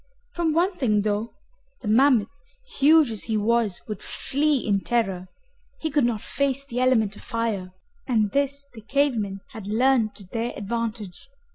From one thing, though, the mammoth, huge as he was, would flee in terror. He could not face the element of fire, and this the cave men had learned to their advantage.